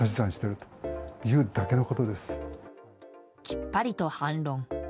きっぱりと反論。